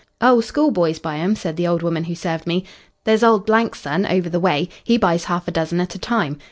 'Oh, schoolboys buy 'em,' said the old woman who served me. 'There's old s' son over the way. He buys half a dozen at a time.'